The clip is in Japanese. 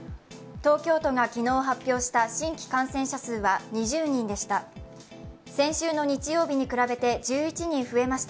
東京都が昨日発表した新規感染者数は２０人でした。